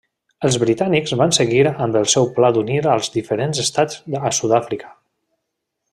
Els britànics van seguir amb el seu pla d'unir als diferents estats a Sud-àfrica.